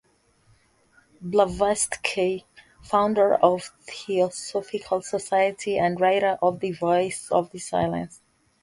Blavatsky, founder of the Theosophical Society and writer of "The Voice of the Silence".